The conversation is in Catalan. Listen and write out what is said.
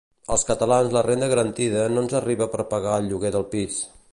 Als catalans la renda garantida no ens arriba per pagar el lloguer del pis